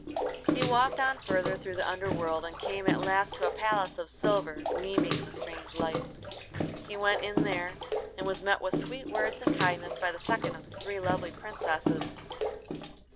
He walked on further through the underworld, and came at last to a palace of silver, gleaming in the strange light. He went in there, and was met with sweet words and kindness by the second of the three lovely princesses.